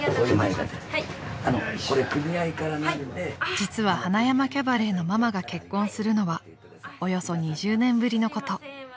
［実は塙山キャバレーのママが結婚するのはおよそ２０年ぶりのこと］